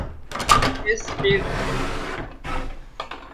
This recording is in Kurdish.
Ez fêr dikim.